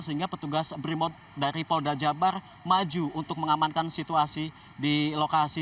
sehingga petugas brimob dari polda jabar maju untuk mengamankan situasi di lokasi